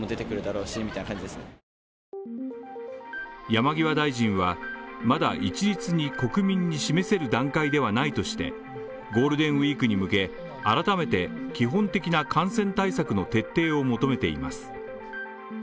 山際大臣はまだ一律に国民に示せる段階ではないとしてゴールデンウイークに向け、改めて基本的な感染対策の徹底を求めています。